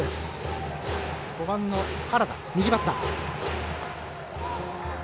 ５番の原田、右バッター。